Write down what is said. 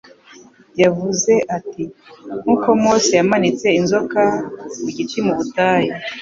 yavuze ati: "Nk'uko Mose yamanitse inzoka ku giti mu butayu,